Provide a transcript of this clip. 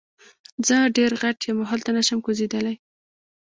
زه ډیر غټ یم او هلته نشم کوزیدلی.